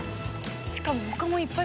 しかもほかもいっぱい。